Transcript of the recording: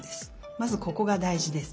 まずここがだいじです。